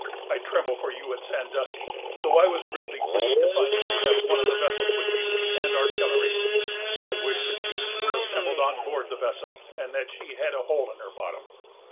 I tremble for you at Sandusky; though I was greatly pleased to find you have one of the vessels with you, and artillery. I wish the chiefs were assembled on board the vessel, and that she had a hole in her bottom.